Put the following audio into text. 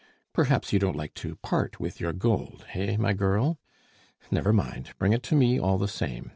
Perhaps you don't like to part with your gold, hey, my girl? Never mind, bring it to me all the same.